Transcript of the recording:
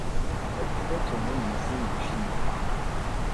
Elle pouvait tourner une dizaine de films par an.